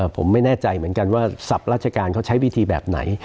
ผมไม่แน่ใจเหมือนกันว่าศัพท์ราชการเขาใช้วิธีแบบไหน